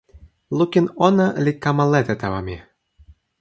lukin ona li kama lete tawa mi.